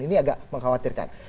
ini agak mengkhawatirkan